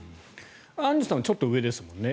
アンジュさんはちょっと上ですよね。